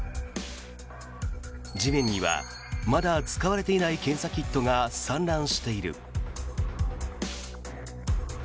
地面には、まだ使われていない検査キットが散乱している。